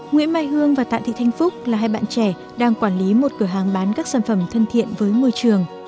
nguyễn mai hương và tạ thị thanh phúc là hai bạn trẻ đang quản lý một cửa hàng bán các sản phẩm thân thiện với môi trường